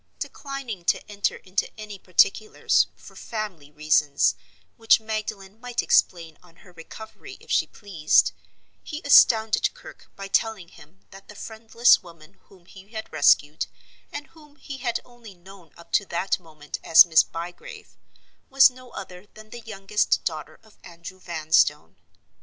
Declining to enter into any particulars—for family reasons, which Magdalen might explain on her recovery, if she pleased—he astounded Kirke by telling him that the friendless woman whom he had rescued, and whom he had only known up to that moment as Miss Bygrave—was no other than the youngest daughter of Andrew Vanstone.